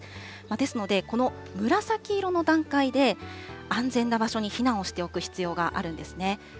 ですので、この紫色の段階で、安全な場所に避難しておく必要があるんですね。